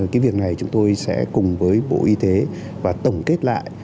cái việc này chúng tôi sẽ cùng với bộ y tế và tổng kết lại